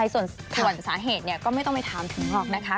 ส่วนสาเหตุก็ไม่ต้องไปถามถึงหรอกนะคะ